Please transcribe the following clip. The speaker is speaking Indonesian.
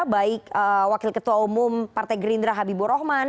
baik wakil ketua umum partai gerindra habibur rahman